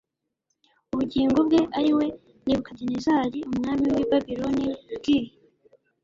ubugingo bwe ari we nebukadinezari umwami w i babuloni g